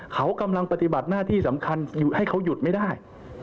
เขากำลังปฏิบัติหน้าที่สำคัญให้เขาหยุดไม่ได้